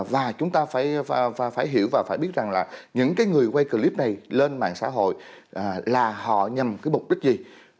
và chúng ta phải hiểu và phải biết rằng là những cái người quay clip này lên mạng xã hội là họ nhằm cái mục đích gì